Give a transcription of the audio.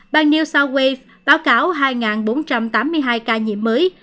bang new south wales báo cáo hai bốn trăm tám mươi hai ca nhiễm mới